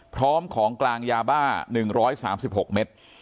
พร้อมของกลางยาบ้า๑๓๖เมตร